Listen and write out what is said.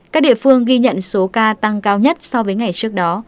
các địa phương ghi nhận số ca tăng cao nhất so với ngày trước đó